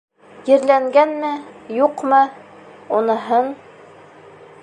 Ерләнгәнме, юҡмы, уныһын...